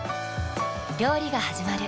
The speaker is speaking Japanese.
料理がはじまる。